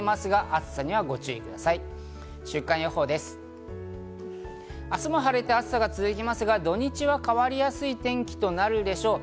明日も晴れて暑さが続きますが、土日は変わりやすい天気となるでしょう。